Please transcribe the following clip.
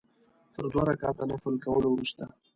تر دوه رکعته نفل کولو وروسته.